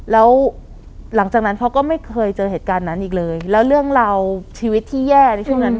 แล้วหลังจากนั้นเขาก็ไม่เคยเจอเหตุการณ์นั้นอีกเลยแล้วเรื่องราวชีวิตที่แย่ในช่วงนั้น